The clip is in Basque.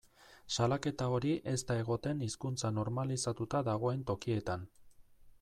Salaketa hori ez da egoten hizkuntza normalizatuta dagoen tokietan.